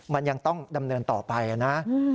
มันยังต้องดำเนินต่อไปนะ